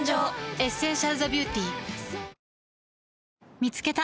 「エッセンシャルザビューティ」見つけた。